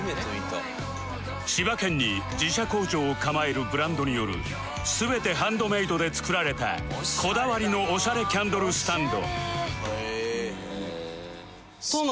千葉県に自社工場を構えるブランドによる全てハンドメイドで作られたこだわりのオシャレキャンドルスタンド